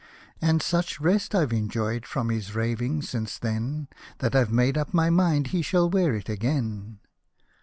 And such rest I've enjoyed from his raving since then, That I've made up my mind he shall wear it again.